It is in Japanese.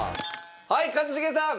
はい一茂さん！